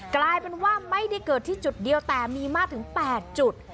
กลายเป็นว่าไม่ได้เกิดที่จุดเดียวแต่มีมากถึง๘จุด